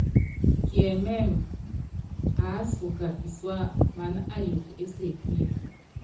Kiɛmɛ́mɛ, aásuka pisúa mana ayuukɔ é sekule.